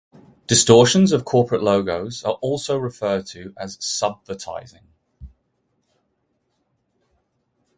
Distortions of corporate logos are also referred to as subvertising.